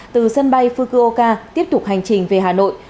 từ sân bay fukuoka tiếp tục hành trình về hà nội